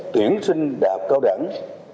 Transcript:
tuyển sinh đạp cao đẳng